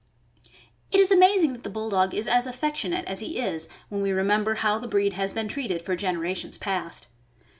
It is amazing that the Bulldog is as affectionate as he is when we remember how the breed has been treated for gen erations past.